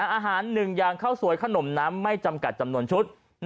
อาหารหนึ่งอย่างข้าวสวยขนมน้ำไม่จำกัดจำนวนชุด